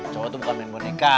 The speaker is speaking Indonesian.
cowok tuh bukan main boneka